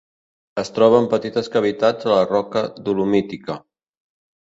Es troba en petites cavitats a la roca dolomítica.